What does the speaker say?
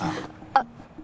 あっ。